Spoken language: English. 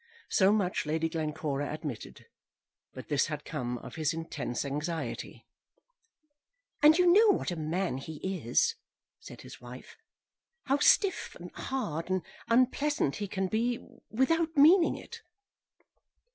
So much Lady Glencora admitted. But this had come of his intense anxiety. "And you know what a man he is," said his wife "how stiff, and hard, and unpleasant he can be without meaning it."